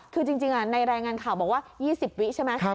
คือจริงในรายงานข่าวบอกว่า๒๐วิใช่ไหม